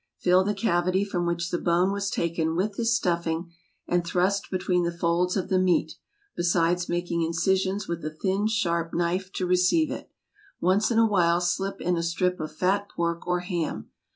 Fill the cavity from which the bone was taken with this stuffing, and thrust between the folds of the meat, besides making incisions with a thin, sharp knife to receive it. Once in a while slip in a strip of fat pork or ham.